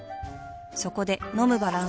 そこで飲むバランス栄養食